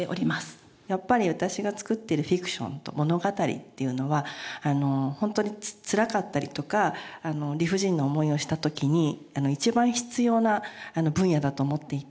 やっぱり私が作っているフィクション物語っていうのは本当につらかったりとか理不尽な思いをした時に一番必要な分野だと思っていて。